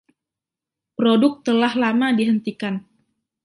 Produk telah lama dihentikan.